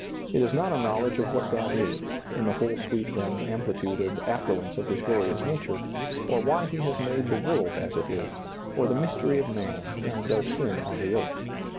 It is not a knowledge of what God is, in the whole sweep and amplitude and affluence of His glorious nature, or why He ^lailizccbvGoOgle Il6 SEEING DARKLY has made the world as it is, or the mystery of man and of sin on the earth.